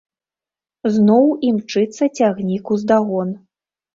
Зноў імчыцца цягнік уздагон.